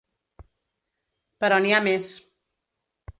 Però n’hi ha més.